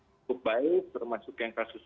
cukup baik termasuk yang kasus